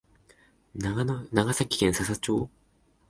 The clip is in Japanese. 長崎県佐々町